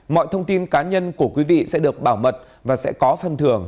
mọi thông tin cá nhân của quý vị sẽ được bảo mật và sẽ có phân thưởng